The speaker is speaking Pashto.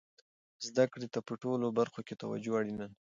زده کړې ته په ټولو برخو کې توجه اړینه ده.